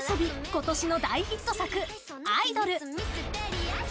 今年の大ヒット作「アイドル」